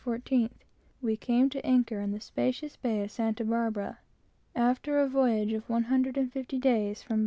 14th, 1835, we came to anchor in the spacious bay of Santa Barbara, after a voyage of one hundred and fifty days from Boston.